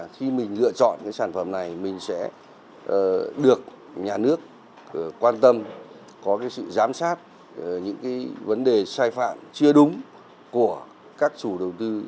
khi mình lựa chọn cái sản phẩm này mình sẽ được nhà nước quan tâm có cái sự giám sát những vấn đề sai phạm chưa đúng của các chủ đầu tư